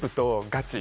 ガチ！